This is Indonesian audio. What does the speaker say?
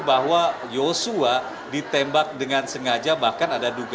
bahwa joshua ditembak dengan sengaja bahkan ada dugaan unsur